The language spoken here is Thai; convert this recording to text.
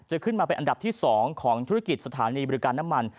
ขึ้นมาเป็นอันดับที่๒ของธุรกิจสถานีบริการน้ำมัน